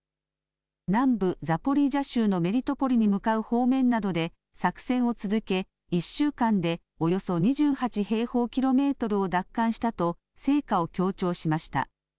南部ザポリージャ州のメリトポリに向かう方面などで作戦を続け、１週間でおよそ２８平方キロメートルを奪還したと、成果を強調しました。